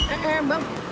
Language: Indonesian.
eh eh bang